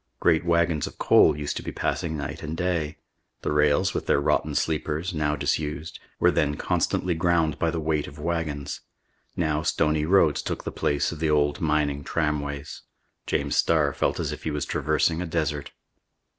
Great wagons of coal used to be passing night and day. The rails, with their rotten sleepers, now disused, were then constantly ground by the weight of wagons. Now stony roads took the place of the old mining tramways. James Starr felt as if he was traversing a desert.